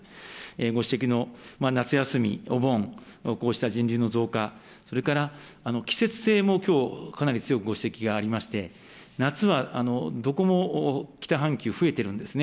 ご指摘の夏休み、お盆、こうした人流の増加、それから季節性もきょう、かなり強くご指摘がありまして、夏はどこも北半球、増えてるんですね。